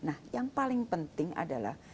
nah yang paling penting adalah